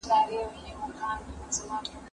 زه به د کور کارونه کړي وي!!